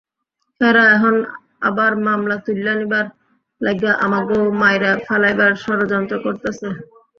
হেরা এহন আবার মামলা তুইল্যা নিবার লাইগ্যা আমগো মাইরা ফেলাইবার ষড়যন্ত্র করতাছে।